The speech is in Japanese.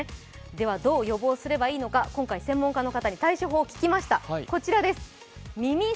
では、どう予防すればいいのか、今回専門家の方に対処法を聞きました。